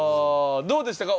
どうでしたか？